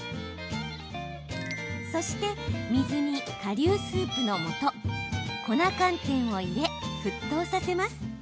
そして、水にかりゅうのスープのもと粉寒天を入れ、沸騰させます。